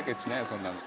そんなの。